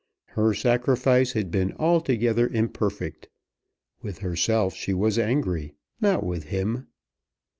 Her sacrifice had been altogether imperfect. With herself she was angry, not with him.